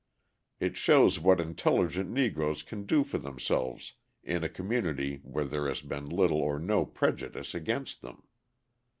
It shows what intelligent Negroes can do for themselves in a community where there has been little or no prejudice against them.